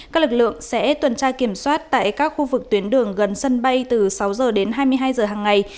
các lực lượng sẽ tuần tra kiểm soát tại các khu vực tuyến đường gần sân bay từ sáu h đến hai mươi hai giờ hàng ngày